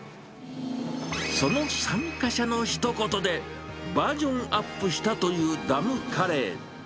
その参加者のひと言で、バージョンアップしたというダムカレー。